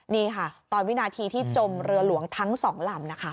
นี่ค่ะตอนวินาทีที่จมเรือหลวงทั้งสองลำนะคะ